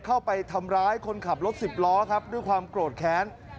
เข้าไปทำร้ายคนขับรถสิบล้อครับด้วยความโกรธแค้น